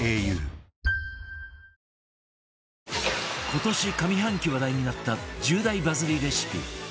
今年上半期話題になった１０大バズりレシピ